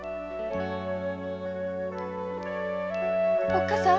おっ母さん